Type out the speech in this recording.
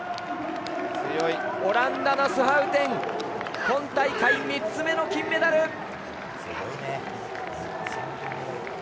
オランダのスハウテン今大会３つ目の金メダル！